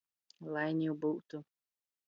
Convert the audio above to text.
Lai niu byutu!